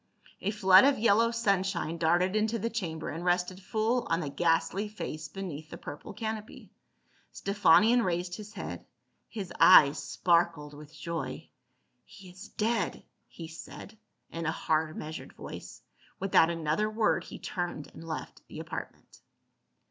A flood of yellow sun shine darted into the chamber and rested full on the ghastly face beneath the purple canopy. Stephanion raised his head ; his eyes sparkled with joy. " He is dead," he said in a hard measured voice. Without another word he turned and left the apartment.